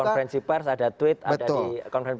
ada konferensi pers ada tweet ada di konferensi pers